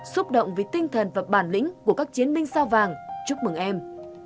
xúc động với tinh thần và bản lĩnh của các chiến binh sao vàng chúc mừng em